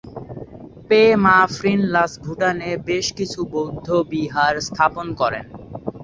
পে-মা-'ফ্রিন-লাস ভুটানে বেশ কিছু বৌদ্ধবিহার স্থাপন করেন।